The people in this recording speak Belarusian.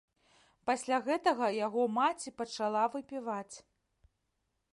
Пасля гэтага яго маці пачала выпіваць.